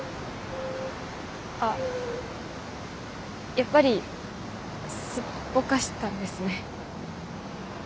あっやっぱりすっぽかしたんですね。